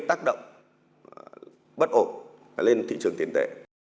tác động bất ổn lên thị trường tiền tệ